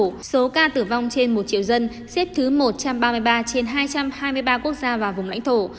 tổng số ca tử vong trên một triệu dân xếp thứ một trăm ba mươi ba trên hai trăm hai mươi ba quốc gia và vùng lãnh thổ